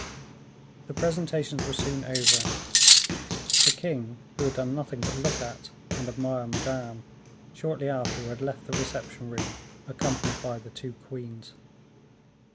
The presentations were soon over. The king, who had done nothing but look at and admire Madame, shortly afterwards left the reception room, accompanied by the two queens.